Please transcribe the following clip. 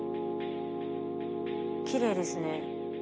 きれいですね。